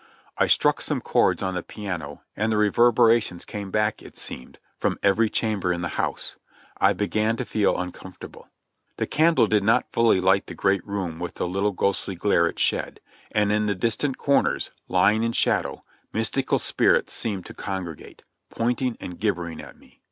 I struck some chords on the piano and the reverberations came back, it seemed, from every chamber in the house, I began to feel un comfortable. The candle did not fully light the great room with the little ghostly glare it shed, and in the distant corners, lying in shadow, mystical spirits seemed to congregate, pointing and gibbering at me.